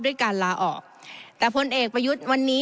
ด้วยการลาออกแต่พลเอกประยุทธ์วันนี้